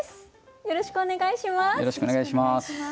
よろしくお願いします。